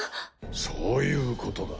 そういうことだ。